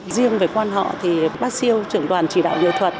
riêng về con họ thì bác siêu trưởng đoàn chỉ đạo điều thuật